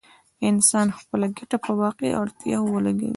انسان خپله ګټه په واقعي اړتياوو ولګوي.